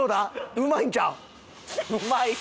うまいんちゃう？